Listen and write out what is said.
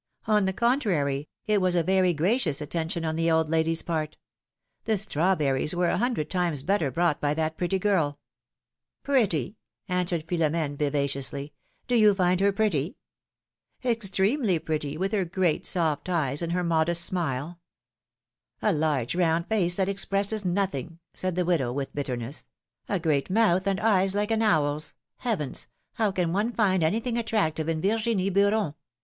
On the contrary, it was a very gracious attention on the old lady's part. The strawberries were a hundred times better brought by that pretty girl I " ^^Pretty!" answered Philomene, vivaciously ; ^^do you find her pretty ?" Extremely pretty, with her great, soft eyes, and her modest smile." ^^A large, round face, that expresses nothing !^ said the widow, with bitterness; ^^a great mouth, and eyes like an owl's. Heavens ! how can one find anything attractive in Yirginie Beuron?